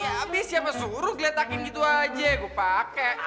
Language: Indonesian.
ya abis siapa suruh geletakin gitu aja gue pakai